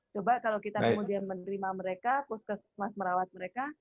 coba kalau kita kemudian menerima mereka puskesmas merawat mereka